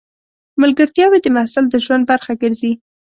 ملګرتیاوې د محصل د ژوند برخه ګرځي.